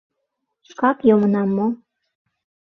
— Шкак йомынам мо?